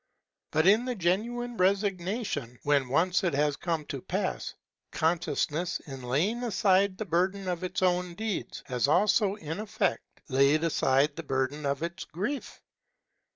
But in the genuine resignation, when once it has come to pass, consciousness, in laying aside the burden of its own deeds, has also, in effect, laid aside the burden of its grief.